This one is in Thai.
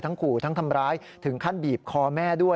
ขู่ทั้งทำร้ายถึงขั้นบีบคอแม่ด้วย